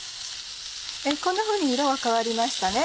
こんなふうに色が変わりましたね。